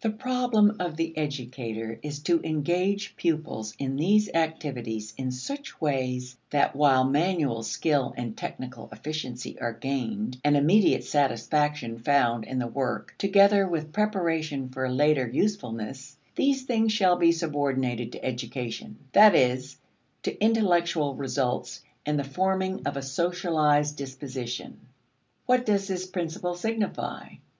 The problem of the educator is to engage pupils in these activities in such ways that while manual skill and technical efficiency are gained and immediate satisfaction found in the work, together with preparation for later usefulness, these things shall be subordinated to education that is, to intellectual results and the forming of a socialized disposition. What does this principle signify?